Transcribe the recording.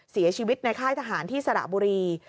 เสียชีวิตในค่ายทหารที่สระบุรี